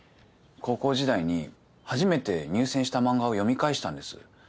高校時代に初めて入選した漫画を読み返したんです。